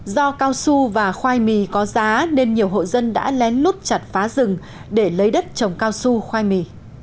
do cao su và khoai mì có giá nên nhiều hộ dân đã lén lút chặt phá rừng để lấy đất trồng cao su khoai mì